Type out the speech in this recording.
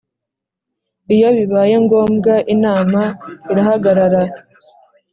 Iyo bibaye ngombwa Inama irahagarara